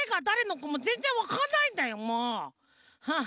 はあ。